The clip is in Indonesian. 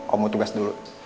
om mau tugas dulu